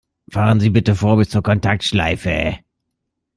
Fahren Sie bitte vor bis zur Kontaktschleife!